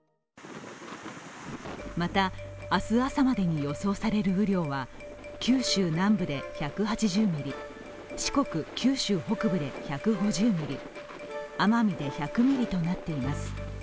また明日朝までに予想される雨量は、九州南部で１８０ミリ四国・九州北部で１５０ミリ、奄美で１００ミリとなっています。